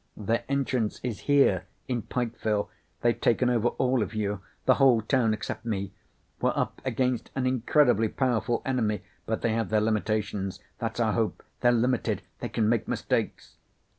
"Their entrance is here, in Pikeville. They've taken over all of you. The whole town except me. We're up against an incredibly powerful enemy, but they have their limitations. That's our hope. They're limited! They can make mistakes!"